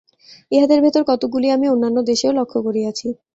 ইহাদের ভিতর কতকগুলি আমি অন্যান্য দেশেও লক্ষ্য করিয়াছি।